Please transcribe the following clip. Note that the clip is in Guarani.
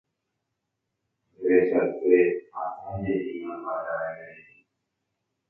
Nderechase, hasẽjepi imandu'a jave nderehe.